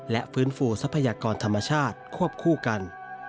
และฟื้นฟูทรัพยากรธรรมชาติควบคู่กัน